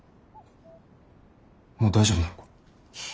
もう大丈夫なのか？